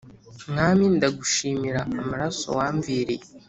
Mwami ndagushimira amaraso wamviriye